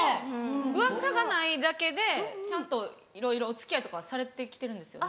うわさがないだけでちゃんといろいろお付き合いとかはされて来てるんですよね？